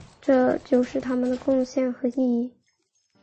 这就是他们的贡献和意义。